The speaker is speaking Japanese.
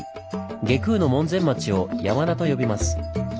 外宮の門前町を「山田」と呼びます。